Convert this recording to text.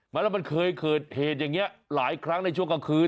แล้วมันเคยเกิดเหตุอย่างนี้หลายครั้งในช่วงกลางคืน